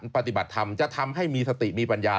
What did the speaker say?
ปฏิบัติธรรมจะทำให้มีสติมีปัญญา